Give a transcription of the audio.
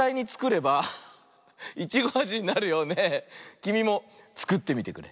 きみもつくってみてくれ！